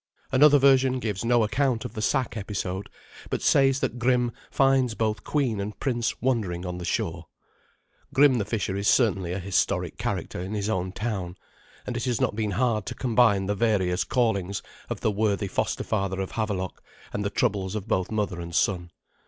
Another version gives no account of the sack episode, but says that Grim finds both queen and prince wandering on the shore. Grim the fisher is certainly a historic character in his own town, and it has not been hard to combine the various callings of the worthy foster father of Havelok and the troubles of both mother and son.